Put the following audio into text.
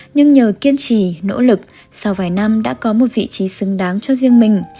nhưng nhờ kiên trì nỗ lực sau vài năm đã có một vị trí xứng đáng cho riêng mình